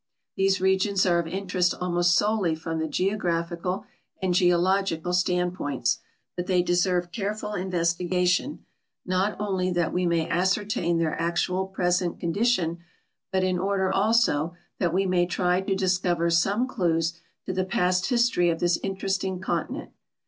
These regions are of interest almost solely from the geographical and geological standpoints ; but they deserve careful investiga tion, not only that we may ascertain their actual present condi tion, but in order, also, that we may try to disct)ver some clues to the past history of this interesting continent.